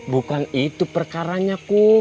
bukan itu perkaranya kum